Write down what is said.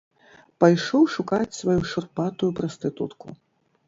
Пайшоў шукаць сваю шурпатую прастытутку.